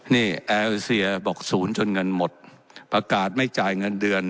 นี่แอร์เซียบอกศูนย์จนเงินหมดประกาศไม่จ่ายเงินเดือน